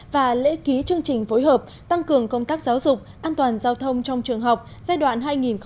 và lễ ký chương trình phối hợp tăng cường công tác giáo dục an toàn giao thông trong trường học giai đoạn hai nghìn một mươi chín hai nghìn hai mươi